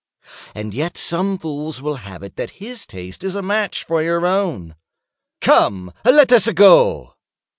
"And yet some fools will have it that his taste is a match for your own." "Come, let us go."